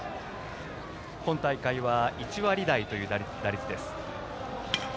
今大会は１割台という打率。